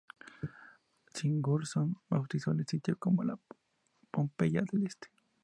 Sigurdsson bautizó el sitio como la "Pompeya" "del Este.